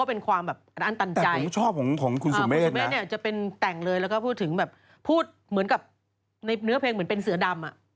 ผมก็ได้พูดเองนะ